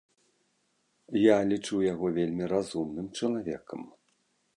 Я лічу яго вельмі разумным чалавекам.